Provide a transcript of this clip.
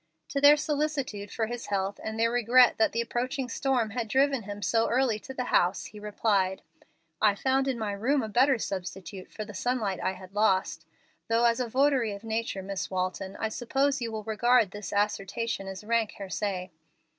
To their solicitude for his health and their regret that the approaching storm had driven him so early to the house, he replied, "I found in my room a better substitute for the sunlight I had lost; though as a votary of nature, Miss Walton, I suppose you will regard this assertion as rank heresy."